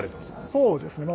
そうですね。